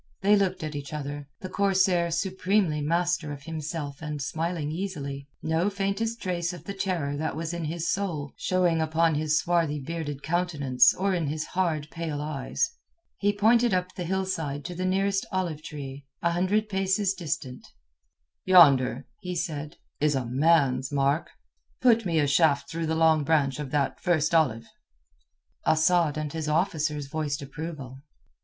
They looked at each other, the corsair supremely master of himself and smiling easily, no faintest trace of the terror that was in his soul showing upon his swarthy bearded countenance or in his hard pale eyes. He pointed up the hillside to the nearest olive tree, a hundred paces distant. "Yonder," he said, "is a man's mark. Put me a shaft through the long branch of that first olive." Asad and his officers voiced approval.